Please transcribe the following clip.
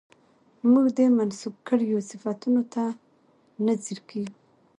موږ دې منسوب کړيو صفتونو ته نه ځير کېږو